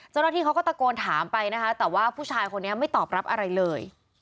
เจ้าหน้าที่เขาก็ตะโกนถามไปนะคะแต่ว่าผู้ชายคนนี้ไม่ตอบรับอะไรเลย